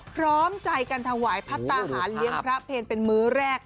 พร้อมใจกันถวายพัฒนาหารเลี้ยงพระเพลเป็นมื้อแรก